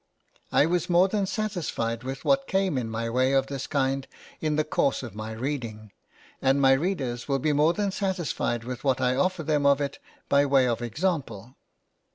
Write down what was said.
I was more than satisfied with what came in my way of this kind in the course of my reading, and my {INTRODUCTION.} (xix) readers will be more than satisfied with what I offer them of it by way of example.